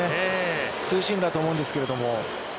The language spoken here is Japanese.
ツーシームだと思うんですけれども。